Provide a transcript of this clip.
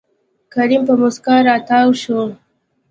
کريم په موسکا راتاو شو.